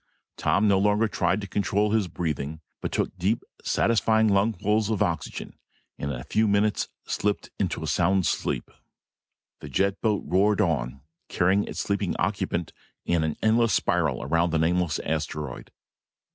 Tom no longer tried to control his breathing, but took deep satisfying lungfuls of oxygen and in a few moments slipped into a sound sleep. The jet boat roared on, carrying its sleeping occupant in an endless spiral around the nameless asteroid.